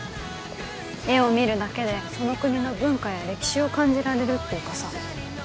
絵を見るだけでその国の文化や歴史を感じられるっていうかさ